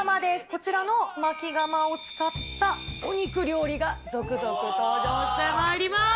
こちらのまき窯を使ったお肉料理が続々登場してまいります。